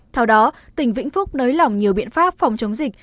theo đó tỉnh vĩnh phúc đới lỏng nhiều biện pháp phòng chống dịch